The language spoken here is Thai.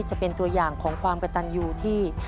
จะเป็นตัวอย่างของความกระตันอยู่ที่